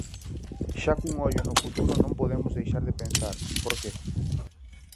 Xa cun ollo no futuro, non podemos deixar de pensar "por que?"